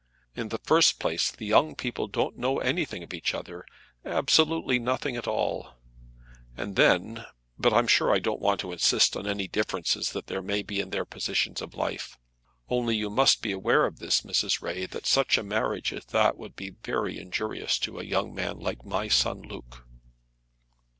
In the first place the young people don't know anything of each other; absolutely nothing at all. And then, but I'm sure I don't want to insist on any differences that there may be in their positions in life. Only you must be aware of this, Mrs. Ray, that such a marriage as that would be very injurious to a young man like my son Luke."